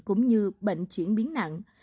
cũng như bệnh chuyển biến nặng